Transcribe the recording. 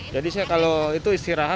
jadi kalau itu istirahat